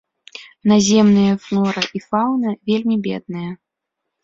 Наземныя флора і фаўна вельмі бедныя.